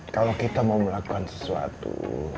kalau kita mau melakukan sesuatu